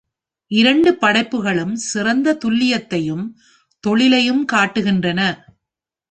இரண்டு படைப்புகளும் சிறந்த துல்லியத்தையும் தொழிலையும் காட்டுகின்றன.